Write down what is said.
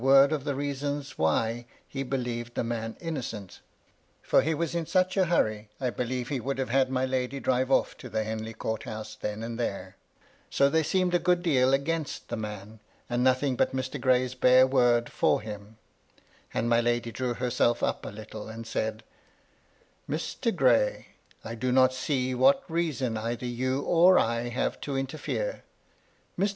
word of the reasons why he believed the man innocent, — for he was in such a hurry, I ifelieve he would have had my lady drive oflF to the Henley Court house then and there ;— so there seemed a good deal against the man, and nothing but Mr. Gray's bare word for him ; and my lady drew herself a little up, and said :" Mr. Gray ! I do not see what reason either you or I iiave to interfere. Mr.